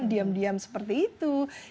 diam diam seperti itu